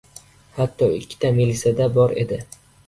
Hatto ikkita melisa-da bor edi.